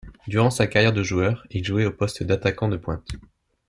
Durant sa carrière de joueur, il jouait au poste d'attaquant de pointe.